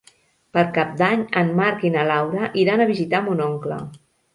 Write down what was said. Per Cap d'Any en Marc i na Laura iran a visitar mon oncle.